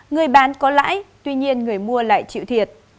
người bán có lãi tuy nhiên người mua lại chịu thiệt